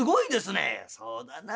「そうだな。